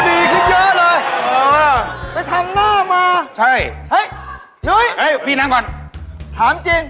ดีขึ้นเยอะเลยเออไปทำหน้ามาใช่เฮ้ยนุ้ยเอ้ยพี่นั่งก่อนถามจริง